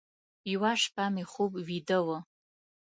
یوه شپه مې خوب ویده و،